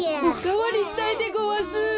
おかわりしたいでごわす！